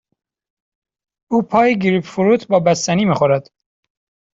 او پای گریپ فروت با بستنی می خورد.